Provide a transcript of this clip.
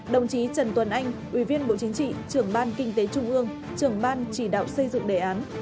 đồng chí trần tuấn anh ủy viên bộ chính trị trưởng ban kinh tế trung ương trưởng ban chỉ đạo xây dựng đề án